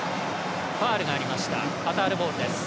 ファウルがありましたカタールボールです。